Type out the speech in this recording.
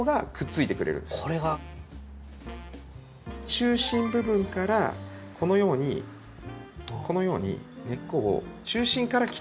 中心部分からこのようにこのように根っこを中心から切っていくんですね。